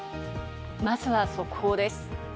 まずは速報です。